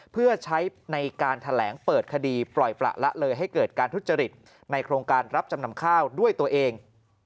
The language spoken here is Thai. เพื่อใช้ในการแถลงเปิดคดีปล่อยประละเลยให้เกิดการทุจริตในโครงการรับจำนำข้าวด้วยตัวเอง